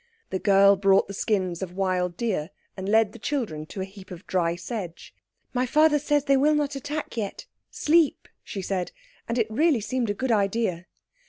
The girl brought the skins of wild deer and led the children to a heap of dry sedge. "My father says they will not attack yet. Sleep!" she said, and it really seemed a good idea.